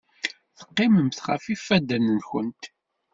Teqqimemt ɣef yifadden-nwent.